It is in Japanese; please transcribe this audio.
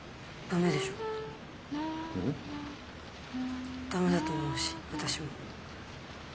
駄目だと思うし私も。